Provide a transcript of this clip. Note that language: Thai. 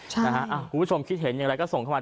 คุณผู้ชมคิดเห็นอย่างไรก็ส่งเข้ามา